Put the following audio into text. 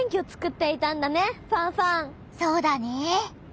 そうだね。